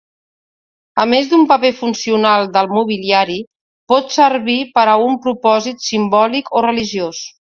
A més del paper funcional del mobiliari, pot servir per a un propòsit simbòlic o religiós.